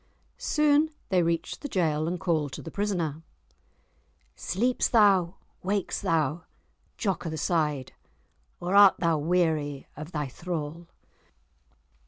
Soon they reached the jail, and called to the prisoner, "Sleeps thou, wakes thou, Jock o' the Side, Or art thou weary of thy thrall?"